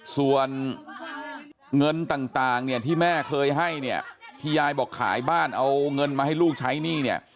ส่วนเงินต่างเนี่ยที่แม่เคยให้เนี่ยที่ยายบอกขายบ้านเอาเงินมาให้ลูกใช้หนี้เนี่ย